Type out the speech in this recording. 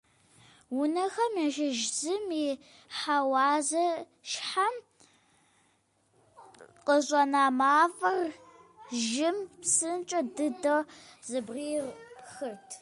Унэхэм ящыщ зым и хьэуазащхьэм къыщӀэна мафӀэр жьым псынщӀэ дыдэу зэбгрихырт.